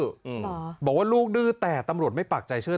เหรอบอกว่าลูกดื้อแต่ตำรวจไม่ปากใจเชื่อ